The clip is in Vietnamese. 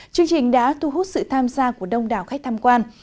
chương trình đã thu hút sự tham gia của đông đảo khách tham quan